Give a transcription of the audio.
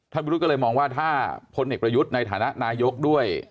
บุรุษก็เลยมองว่าถ้าพลเอกประยุทธ์ในฐานะนายกด้วย